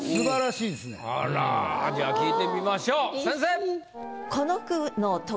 あらじゃあ聞いてみましょう先生。